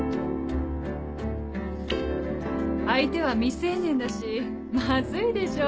相手は未成年だしマズいでしょ。